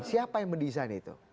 siapa yang mendesain itu